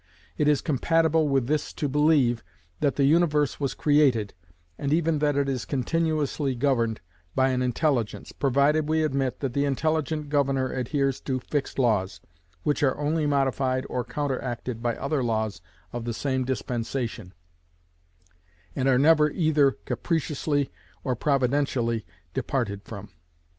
It is compatible with this to believe, that the universe was created, and even that it is continuously governed, by an Intelligence, provided we admit that the intelligent Governor adheres to fixed laws, which are only modified or counteracted by other laws of the same dispensation, and are never either capriciously or providentially departed from.